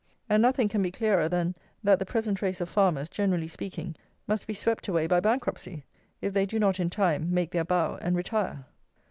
And nothing can be clearer than that the present race of farmers, generally speaking, must be swept away by bankruptcy, if they do not, in time, make their bow, and retire.